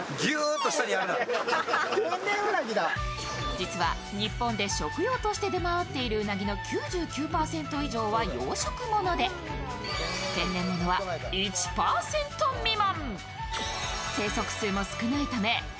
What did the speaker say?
実は、日本で食用として出回っているうなぎの９９％以上は養殖物で、天然物は１％未満。